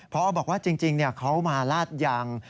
พอบอกว่าจริงเขามาลาดยาง